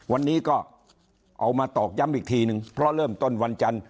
วันนี้ก็เอามาตอกย้ำอีกทีนึงเพราะเริ่มต้นวันจันทร์